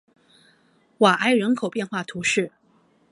瓦埃人口变化图示